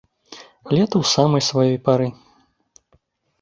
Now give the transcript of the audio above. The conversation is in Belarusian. Лета ў самай сваёй пары.